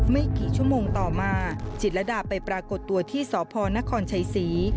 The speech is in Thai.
ไม่กี่ชั่วโมงต่อมาจิตรดาไปปรากฏตัวที่สพนครชัยศรี